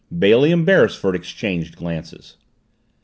Bailey and Beresford exchanged glances.